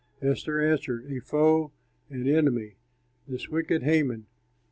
Esther answered, "A foe, an enemy, this wicked Haman."